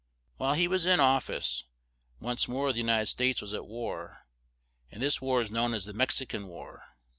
While he was in of fice, once more the U nit ed States was at war, and this war is known as the "Mex i can War."